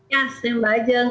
ya saya mbak ajeng